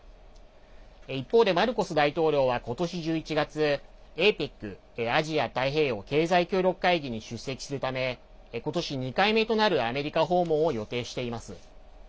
一方でマルコス大統領は今年１１月、ＡＰＥＣ＝アジア太平洋経済協力会議に出席するため今年２回目となるアメリカ訪問を予定しています。